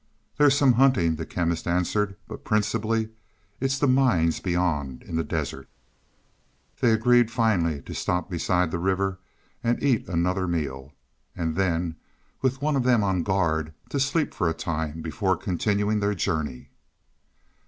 "There's some hunting," the Chemist answered. "But principally it's the mines beyond, in the deserts." They agreed finally to stop beside the river and eat another meal, and then, with one of them on guard, to sleep for a time before continuing their journey.